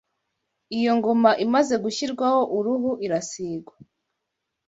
Iyo ingoma imaze gushyirwaho uruhu irasigwa